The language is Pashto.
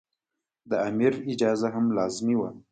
د امیر اجازه هم لازمي وه.